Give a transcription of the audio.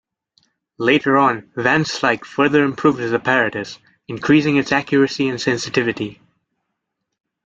Later on, Van Slyke further improved his apparatus, increasing its accuracy and sensitivity.